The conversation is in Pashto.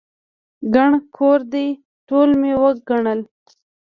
ګڼه کور دی، ټول مې وګڼل.